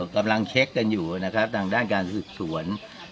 กำลังเช็คกันอยู่ทางด้านการสื่อส่วน